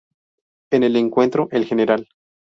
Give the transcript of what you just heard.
En el encuentro, el Gral.